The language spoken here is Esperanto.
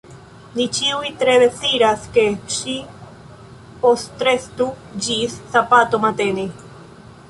Ni ĉiuj tre deziras, ke ŝi postrestu ĝis sabato matene.